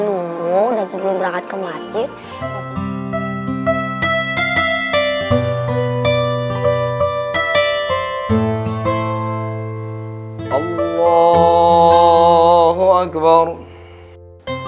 nunggu dan sebelum berangkat ke masjid allah wa akbar assalamualaikum warahmatullah